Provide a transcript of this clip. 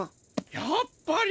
やっぱり！